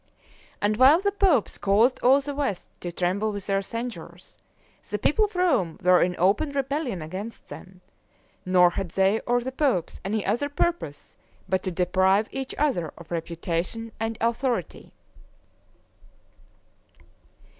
And while the popes caused all the west to tremble with their censures, the people of Rome were in open rebellion against them; nor had they or the popes any other purpose, but to deprive each other of reputation and authority.